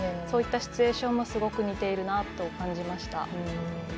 そういったシチュエーションもすごく似ているなと感じました。